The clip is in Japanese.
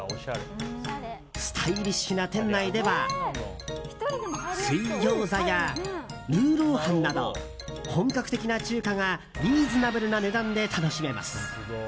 スタイリッシュな店内では水餃子やルーロー飯など本格的な中華がリーズナブルな値段で楽しめます。